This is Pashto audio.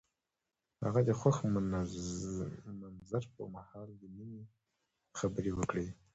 هغه د خوښ منظر پر مهال د مینې خبرې وکړې.